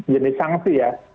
jenis sangsi ya